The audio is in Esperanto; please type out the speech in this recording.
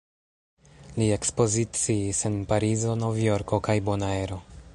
Li ekspoziciis en Parizo, Novjorko kaj Bonaero.